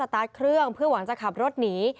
แล้วก็สตาร์ตเครื่องเพื่อหวังจะขับรถหนี